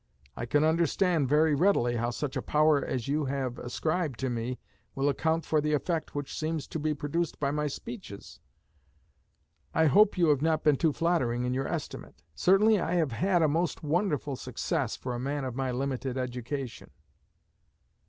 I can understand very readily how such a power as you have ascribed to me will account for the effect which seems to be produced by my speeches. I hope you have not been too flattering in your estimate. Certainly I have had a most wonderful success for a man of my limited education."